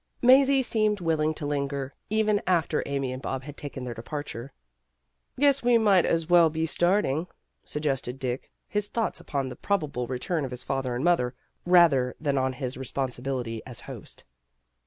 Mazie seemed willing to linger, even after Amy and Bob had taken their departure. " Guess we might as well be starting," sug gested Dick, his thoughts upon the probable re turn of his father and mother, rather than on his responsibility as host.